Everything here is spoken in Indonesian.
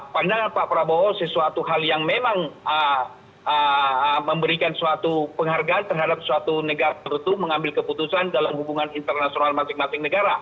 pandangan pak prabowo sesuatu hal yang memang memberikan suatu penghargaan terhadap suatu negara itu mengambil keputusan dalam hubungan internasional masing masing negara